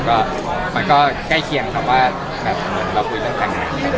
ก็มันก็ใกล้เคียงครับว่าแบบเหมือนเราคุยเรื่องกัน